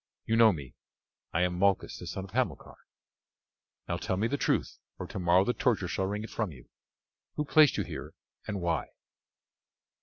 You know me; I am Malchus the son of Hamilcar. Now, tell me the truth, or tomorrow the torture shall wring it from you. Who placed you here, and why?"